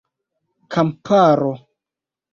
kamparo